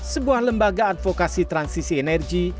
sebuah lembaga advokasi transisi energi